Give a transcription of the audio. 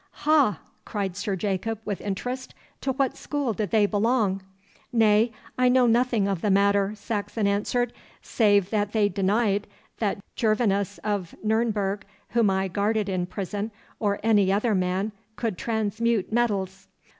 'Ha!' cried Sir Jacob, with interest. 'To what school did they belong?' 'Nay, I know nothing of the matter,' Saxon answered, 'save that they denied that Gervinus of Nurnberg, whom I guarded in prison, or any other man, could transmute metals.